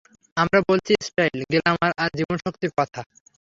আমরা বলছি style, glamour আর জীবনীশক্তির কথা।